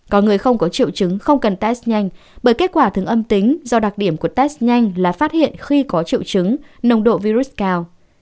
có người không có triệu chứng không cần test nhanh bởi kết quả thường âm tính do đặc điểm của test nhanh là phát hiện khi có triệu chứng nồng độ virus cao